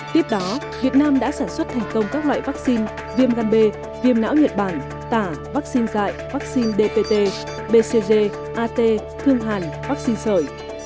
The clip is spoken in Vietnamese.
tiếp đó việt nam đã sản xuất thành công các loại vắc xin viêm gan b viêm não nhật bản tả vắc xin dạy vắc xin dpt bcg at thương hàn vắc xin sợi